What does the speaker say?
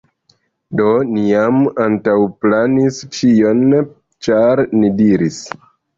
Do ni jam antaŭplanis ĉion, ĉar ni diris